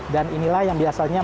dan inilah yang biasanya menjadikan